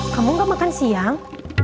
kamu gak makan siang